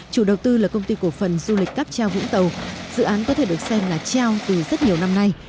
chủ đầu tư là công ty cổ phần du lịch cắp treo vũng tàu dự án có thể được xem là treo từ rất nhiều năm nay